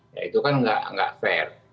ya itu kan nggak fair